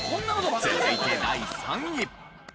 続いて第３位。